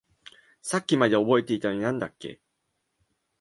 さっきまで覚えていたのに何だっけ？